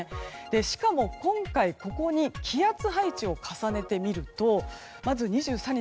しかも今回ここに気圧配置を重ねてみるとまず２３日